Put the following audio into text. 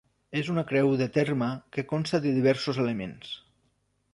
És una creu de terme que consta de diversos elements.